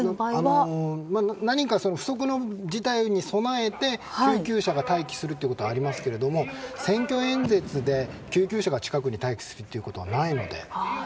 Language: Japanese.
何か不測の事態に備えて救急車が待機するということはありますけども、選挙演説で救急車が近くに待機するのはないので。